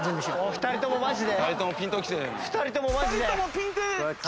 ２人ともマジで。